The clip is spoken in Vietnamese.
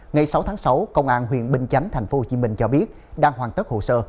ngày sáu tháng sáu công an huyện bình chánh thành phố hồ chí minh cho biết đang hoàn tất hồ sơ